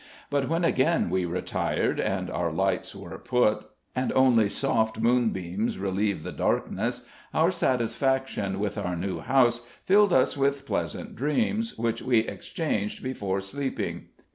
But when again we retired, and our lights were put, and only soft moonbeams relieved the darkness, our satisfaction with our new house filled us with pleasant dreams, which we exchanged before sleeping.